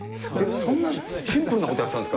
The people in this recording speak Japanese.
そんなシンプルなことやってたんですか。